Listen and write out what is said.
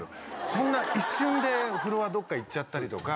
そんな一瞬でフロアどっか行っちゃったりとか。